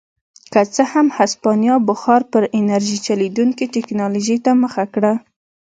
که څه هم هسپانیا بخار په انرژۍ چلېدونکې ټکنالوژۍ ته مخه کړه.